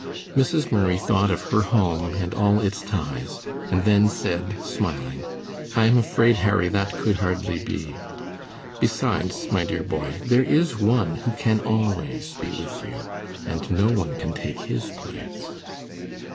Mrs. Murray thought of her home and all its ties, and then said, smiling: "I am afraid, Harry, that could hardly be. Besides, my dear boy, there is One who can always be with you, and no one can take His place."